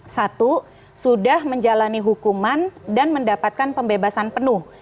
satu sudah menjalani hukuman dan mendapatkan pembebasan penuh